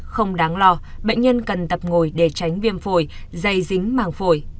không đáng lo bệnh nhân cần tập ngồi để tránh viêm phổi dày dính màng phổi